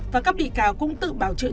và các bị cáo cũng tự bào chứa